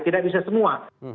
tidak bisa semua